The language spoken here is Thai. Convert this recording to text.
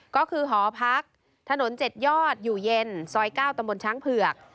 ก็คือหอพักถนน๗ยอดอยู่เย็นซอย๙ตำบลช้างเผือก